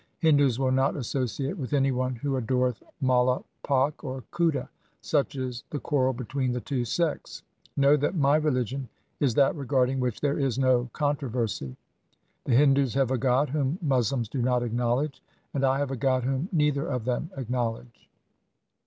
Hindus will not associate with any one who adoreth Maula Pak or Khuda. Such is the quarrel between the two sects. Know that my religion is that regarding which there is no con troversy. The Hindus have a God whom Moslems do not acknowledge, and I have a God whom neither of them acknowledge.'